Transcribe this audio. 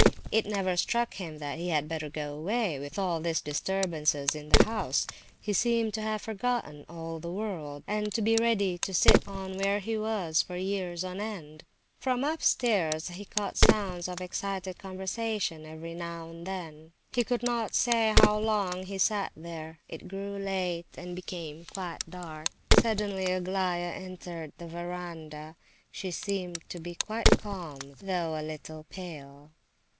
It never struck him that he had better go away, with all this disturbance in the house. He seemed to have forgotten all the world, and to be ready to sit on where he was for years on end. From upstairs he caught sounds of excited conversation every now and then. He could not say how long he sat there. It grew late and became quite dark. Suddenly Aglaya entered the verandah. She seemed to be quite calm, though a little pale.